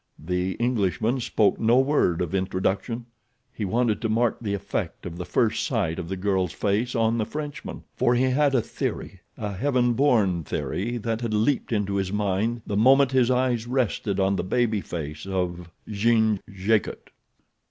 The Englishman spoke no word of introduction—he wanted to mark the effect of the first sight of the girl's face on the Frenchman, for he had a theory—a heaven born theory that had leaped into his mind the moment his eyes had rested on the baby face of Jeanne Jacot.